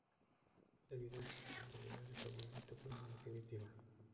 La evidencia de su verdad es abundante pero no definitiva.